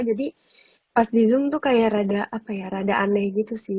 jadi pas di zoom itu kayak rada aneh gitu sih